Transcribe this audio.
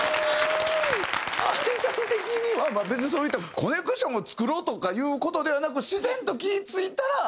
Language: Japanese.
ＡＩさん的には別にそういったコネクションを作ろうとかいう事ではなく自然と気ぃ付いたら。